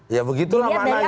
ya begitu lah mananya